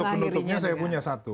kalau untuk penutupnya saya punya satu